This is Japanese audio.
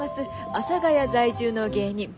阿佐ヶ谷在住の芸人。